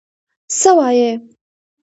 څه وایې؟